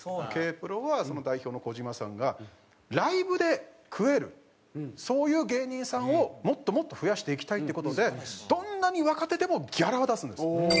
Ｋ−ＰＲＯはその代表の児島さんがライブで食えるそういう芸人さんをもっともっと増やしていきたいって事でどんなに若手でもギャラは出すんですよ。